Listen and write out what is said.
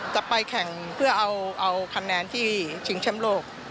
จะไปแข่งเพื่อเอาคะแนนที่ชิงแชมป์โลก